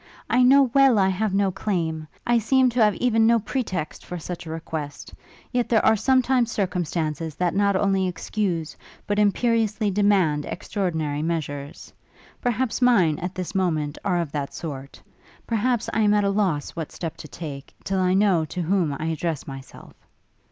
I know well I have no claim; I seem to have even no pretext for such a request; yet there are sometimes circumstances that not only excuse, but imperiously demand extraordinary measures: perhaps mine, at this moment, are of that sort! perhaps I am at a loss what step to take, till I know to whom I address myself!'